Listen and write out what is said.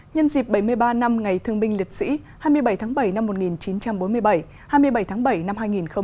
nhân dịp bảy mươi ba năm ngày thương binh liệt sĩ hai mươi bảy tháng bảy năm một nghìn chín trăm bốn mươi bảy hai mươi bảy tháng bảy năm hai nghìn một mươi chín